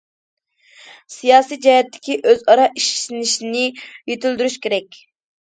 سىياسىي جەھەتتىكى ئۆزئارا ئىشىنىشنى يېتىلدۈرۈش كېرەك.